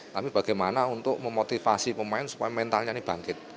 tapi bagaimana untuk memotivasi pemain supaya mentalnya ini bangkit